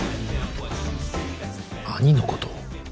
兄のことを？